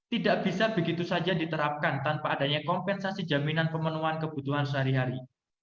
tidak bisa begitu saja diterapkan tanpa adanya kompensasi jaminan pemenuhan kebutuhan sehari hari